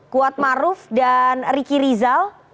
kuatmaruf dan riki rizal